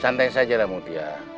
santai saja lah mutia